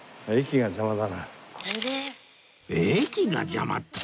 駅が邪魔って